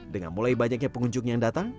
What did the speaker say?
dengan mulai banyaknya pengunjung yang datang